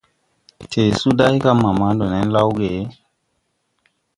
Tɛɛsu day ga: Mama, ndo nen lawge ?